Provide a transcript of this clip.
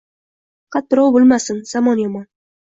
— Faqat birov bilmasin, zamon yomon.